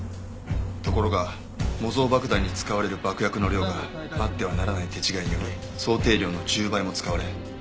ところが模造爆弾に使われる爆薬の量があってはならない手違いにより想定量の１０倍も使われ。